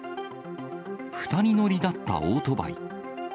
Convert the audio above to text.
２人乗りだったオートバイ。